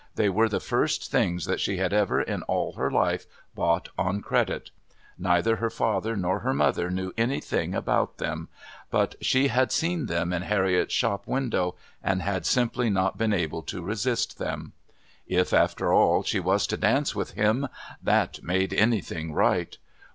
They were the first things that she had ever, in all her life, bought on credit. Neither her father nor her mother knew anything about them, but she had seen them in Harriott's shop window and had simply not been able to resist them. If, after all, she was to dance with Him, that made anything right.